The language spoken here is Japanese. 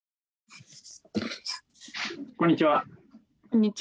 こんにちは。